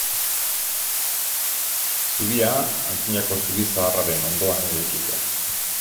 Zubia, antzinako zubi zaharraren ondoan eraiki zen.